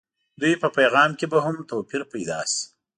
دوی په پیغام کې به هم توپير پيدا شي.